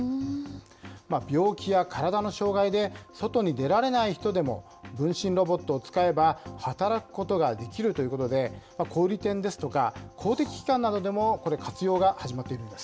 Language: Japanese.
病気や体の障害で外に出られない人でも、分身ロボットを使えば、働くことができるということで、小売り店ですとか、公的機関などでもこれ、活用が始まっているんです。